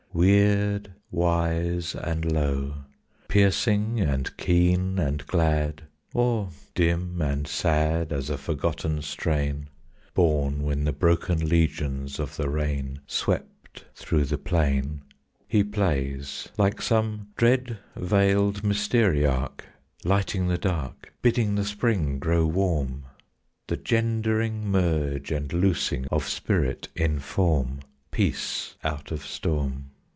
Weird wise and low, piercing and keen and glad, Or dim and sad As a forgotten strain Born when the broken legions of the rain Swept through the plain He plays, like some dread veiled mysteriarch, Lighting the dark, Bidding the spring grow warm, The gendering merge and loosing of spirit in form, Peace out of storm.